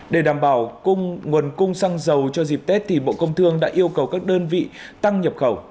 để đảm bảo cung nguồn cung xăng dầu cho dịp tết thì bộ công thương đã yêu cầu các đơn vị tăng nhập khẩu